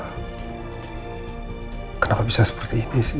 hai kenapa bisa seperti ini sih